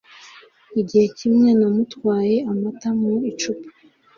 Igihe kimwe namutwaye amata mu icupa